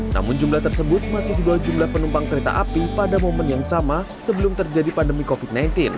namun jumlah tersebut masih di bawah jumlah penumpang kereta api pada momen yang sama sebelum terjadi pandemi covid sembilan belas